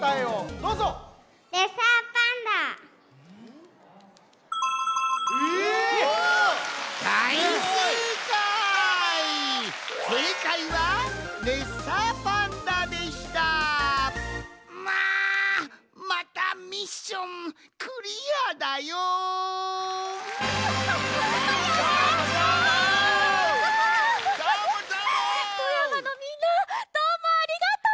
富山のみんなどうもありがとう！